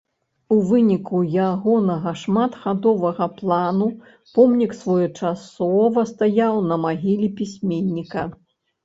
У выніку ягонага шматхадовага плану помнік своечасова стаяў на магіле пісьменніка.